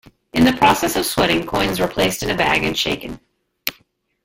In the process of sweating, coins were placed in a bag and shaken.